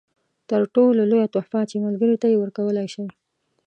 تر ټولو لویه تحفه چې ملګري ته یې ورکولای شئ.